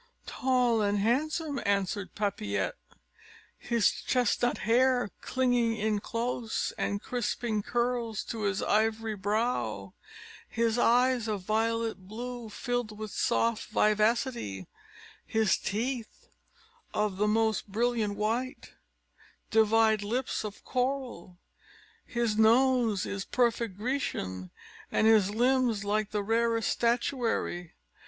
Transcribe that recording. "Tall and handsome," answered Papillette, "his chestnut hair clinging in close and crisping curls to his ivory brow; his eyes of violet blue, filled with soft vivacity; his teeth, of the most brilliant white, divide lips of coral; his nose is perfect Grecian, and his limbs like the rarest statuary.